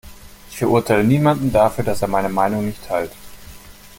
Ich verurteile niemanden dafür, dass er meine Meinung nicht teilt.